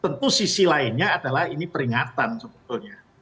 tentu sisi lainnya adalah ini peringatan sebetulnya